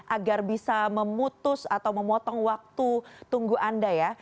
agar bisa memutus atau memotong waktu tunggu anda ya